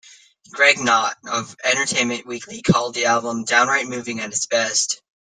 Greg Kot of "Entertainment Weekly" called the album "downright moving at its best".